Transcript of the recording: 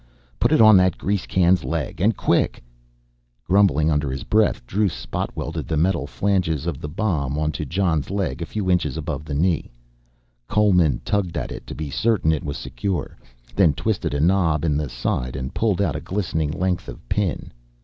Put it on that grease can's leg and quick!" Grumbling under his breath, Druce spot welded the metal flanges of the bomb onto Jon's leg a few inches above his knee. Coleman tugged at it to be certain it was secure, then twisted a knob in the side and pulled out a glistening length of pin.